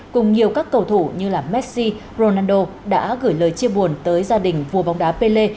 cùng nhiều các cầu thủ như messi ronaldo đã gửi lời chia buồn tới gia đình vua bóng đá pelle